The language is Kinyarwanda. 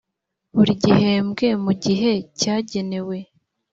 buri gihembwe mu gihe cyagenewe